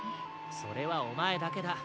それはおまえだけだ。